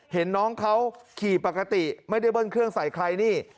เห็นน้องเขาขี่ปกติไม่ได้เบิ้ลเครื่องใส่ใครนี่